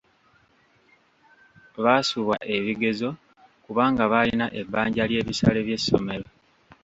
Baasubwa ebigezo kubanga baalina ebbanja ly'ebisale by'essomero.